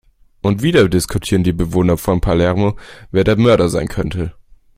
Und wieder diskutieren die Bewohner von Palermo, wer der Mörder sein könnte.